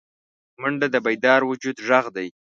منډه د بیدار وجود غږ دی